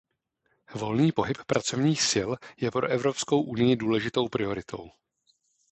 Volný pohyb pracovních sil je pro Evropskou unii důležitou prioritou.